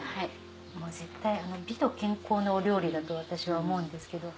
絶対美と健康のお料理だと私は思うんですけど。